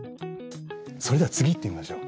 それでは次いってみましょう。